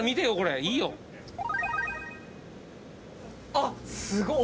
あっすごっ！